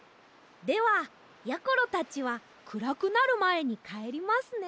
ではやころたちはくらくなるまえにかえりますね。